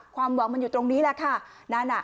ความหวังมันอยู่ตรงนี้แหละค่ะ